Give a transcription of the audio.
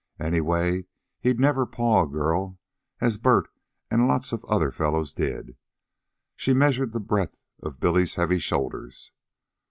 Anyway, he'd never paw a girl as Bert and lots of the other fellows did. She measured the breadth of Billy's heavy shoulders.